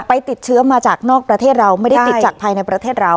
ไปติดเชื้อมาจากนอกประเทศเราไม่ได้ติดจากภายในประเทศเรา